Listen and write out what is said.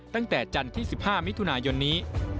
ตั้งแต่จันทร์ที่๑๕มิถุนายนนี้